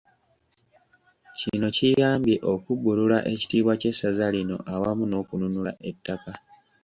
Kino kiyambye okubbulula ekitiibwa ky'essaza lino awamu n'okununula ettaka.